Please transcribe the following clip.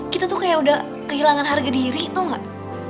kita tuh kayak udah kehilangan harga diri tuh gak